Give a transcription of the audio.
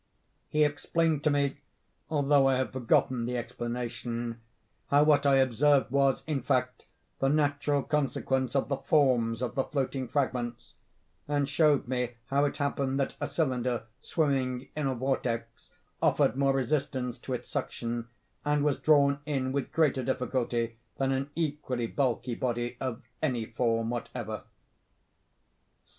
He explained to me—although I have forgotten the explanation—how what I observed was, in fact, the natural consequence of the forms of the floating fragments—and showed me how it happened that a cylinder, swimming in a vortex, offered more resistance to its suction, and was drawn in with greater difficulty than an equally bulky body, of any form whatever.